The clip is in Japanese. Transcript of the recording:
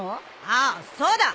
ああそうだ。